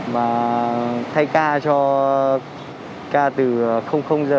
và thay ca cho ca từ h đến sáu h sáng ngày hôm trước